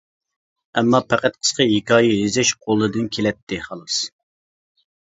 ئەمما پەقەت قىسقا ھېكايە يېزىش قولىدىن كېلەتتى، خالاس.